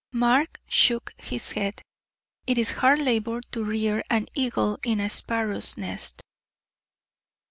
Mark shook his head. It is hard labor to rear an eagle in a sparrow's nest.